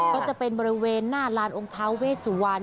ก็จะเป็นบริเวณหน้าลานองค์ท้าเวสวรรณ